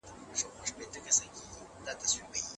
آیا د ناپوهي کچه د طلاق د کچي په لوړولو کي کردار لري؟